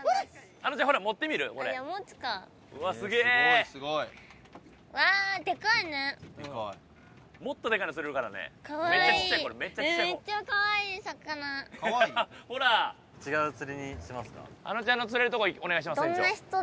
あのちゃんの釣れるとこお願いします